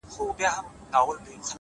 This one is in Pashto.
پرمختګ له زړورتیا ځواک اخلي؛